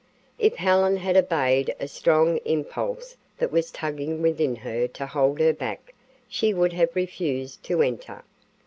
If Helen had obeyed a strong impulse that was tugging within her to hold her back, she would have refused to enter.